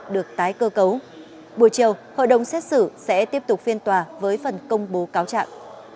được tái cơ cấu buổi chiều hội đồng xét xử sẽ tiếp tục phiên tòa với phần công bố cáo trạng